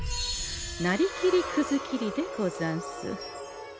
なりきりくずきりでござんす。